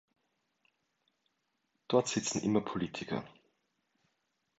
Dort sitzen immer Politiker.